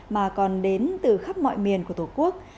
mà còn đến từ khắp mọi miền của tổ quốc